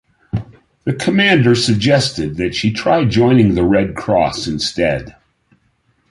The commander suggested that she try joining the Red Cross instead.